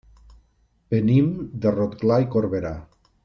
Venim de Rotglà i Corberà.